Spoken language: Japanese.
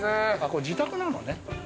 これ自宅なのね。